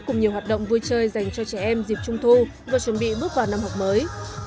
cùng nhiều hoạt động vui chơi dành cho trẻ em dịp trung thu và chuẩn bị bước vào năm học mới